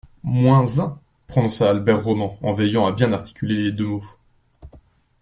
Moins un, prononça Albert Roman en veillant à bien articuler les deux mots.